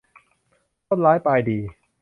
ต้นร้ายปลายดี